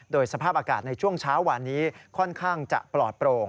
โดยสภาพอากาศในช่วงเช้าวานนี้ค่อนข้างจะปลอดโปร่ง